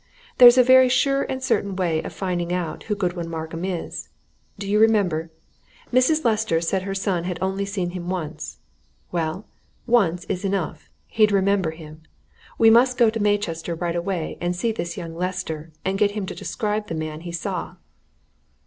"There's a very sure and certain way of finding out who Godwin Markham is! Do you remember? Mrs. Lester said her son had only seen him once. Well, once is enough! he'd remember him. We must go to Maychester right away and see this young Lester, and get him to describe the man he saw."